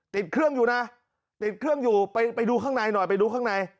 ติดเครื่องอยู่นะติดเครื่องอยู่ไปดูข้างในหน่อยไปดูข้างใน